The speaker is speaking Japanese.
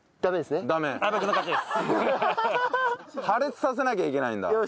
破裂させなきゃいけないんだ。